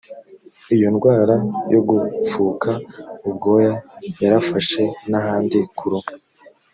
iyo ndwara yo gupfuka ubwoya yarafashe n ahandi ku ruhu